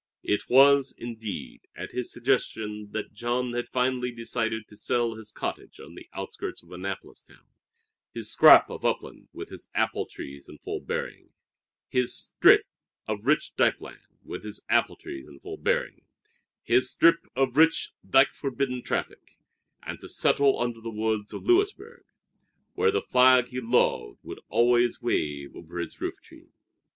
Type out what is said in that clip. It was, indeed, at his suggestion that Jean had finally decided to sell his cottage on the outskirts of Annapolis town, his scrap of upland with its apple trees in full bearing, his strip of rich dike land with its apple trees in full bearing, his strip of rich dike forbidden traffic and to settle under the walls of Louisburg, where the flag he loved should always wave over his roof tree.